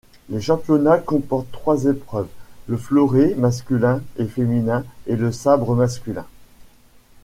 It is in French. Les championnats comportent trois épreuves, le fleuret masculin et féminin et le sabre masculin.